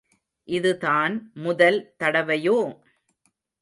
இதுதான் முதல் தடவையோ?